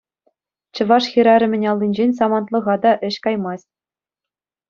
Чӑваш хӗрарӑмӗн аллинчен самантлӑха та ĕç каймасть.